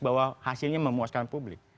bahwa hasilnya memuaskan publik